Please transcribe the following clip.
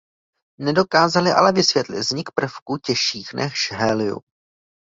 Nedokázali ale vysvětlit vznik prvků těžších než helium.